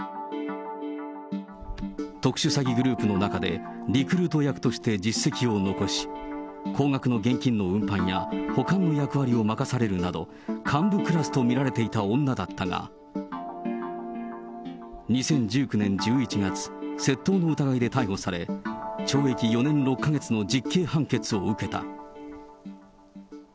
特殊詐欺グループの中で、リクルート役として実績を残し、高額の現金の運搬や、保管の役割を任されるなど、幹部クラスと見られていた女だったが、２０１９年１１月、窃盗の疑いで逮捕され、懲役４年６か月の実刑判決を受けた。